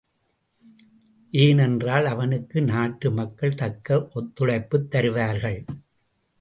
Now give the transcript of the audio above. ஏன் என்றால் அவனுக்கு நாட்டு மக்கள் தக்க ஒத்துழைப்புத் தருவார்கள்.